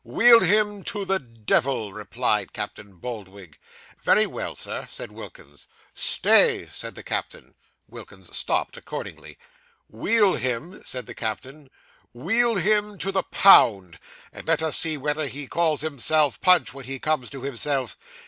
'Wheel him to the devil,' replied Captain Boldwig. 'Very well, sir,' said Wilkins. 'Stay,' said the captain. Wilkins stopped accordingly. 'Wheel him,' said the captain 'wheel him to the pound; and let us see whether he calls himself Punch when he comes to himself.